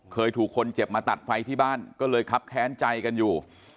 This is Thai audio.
เคยถูกคนเจ็บมาตัดไฟที่บ้านก็เลยครับแค้นใจกันอยู่